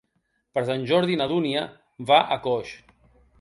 Per Sant Jordi na Dúnia va a Coix.